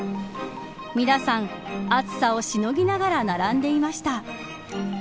皆さん暑さをしのぎながら並んでいました。